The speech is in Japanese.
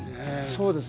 そうですね。